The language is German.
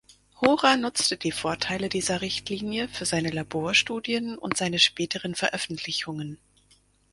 Hora nutzte die Vorteile dieser Richtlinie für seine Laborstudien und seine späteren Veröffentlichungen.